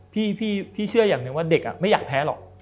พี่เชื่ออย่างหนึ่งว่าเด็กไม่อยากแพ้หรอก